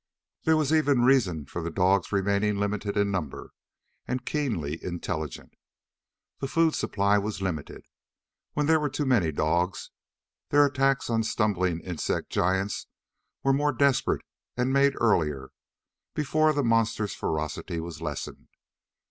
There was even reason for the dogs remaining limited in number, and keenly intelligent. The food supply was limited. When there were too many dogs, their attacks on stumbling insect giants were more desperate and made earlier, before the monsters' ferocity was lessened.